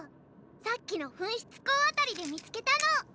さっきの噴出孔辺りで見つけたの！